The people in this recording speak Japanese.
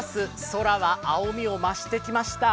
空が青みを増してきました。